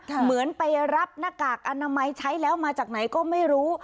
เหมือนไปรับหน้ากากอนามัยใช้แล้วมาจากไหนก็ไม่รู้